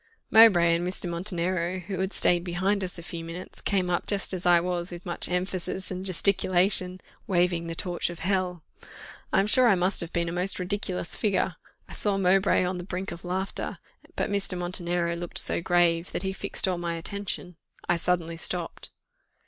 Mowbray and Mr. Montenero, who had stayed behind us a few minutes, came up just as I was, with much emphasis and gesticulation, "Waving the torch of Hell." I am sure I must have been a most ridiculous figure. I saw Mowbray on the brink of laughter; but Mr. Montenero looked so grave, that he fixed all my attention. I suddenly stopped.